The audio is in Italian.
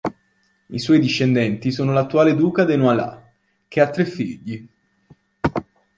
I suoi discendenti sono l'attuale duca de Noailles, che ha tre figli.